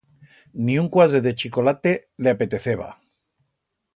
Ni un cuadret de chicolate le apeteceba.